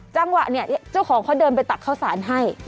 จ่างหวะเจ้าของเขาเดินไปตักเข้าสารให้